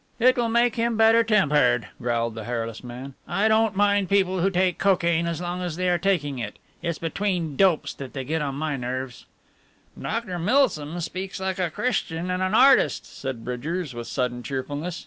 "It will make him better tempered," growled the hairless man. "I don't mind people who take cocaine as long as they are taking it. It's between dopes that they get on my nerves." "Dr. Milsom speaks like a Christian and an artist," said Bridgers, with sudden cheerfulness.